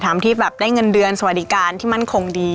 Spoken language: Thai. ที่แบบได้เงินเดือนสวัสดิการที่มั่นคงดี